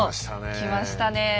きましたねえ。